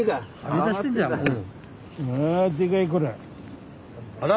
まあでかいこら。